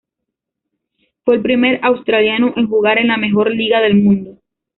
Fue el primer australiano en jugar en la mejor liga del mundo.